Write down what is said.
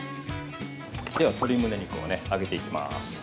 では、鶏むね肉を揚げていきます。